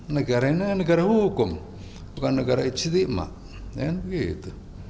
negara ini negara hukum bukan negara ijt